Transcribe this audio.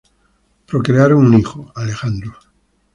Procrearon un hijo, Alejandro.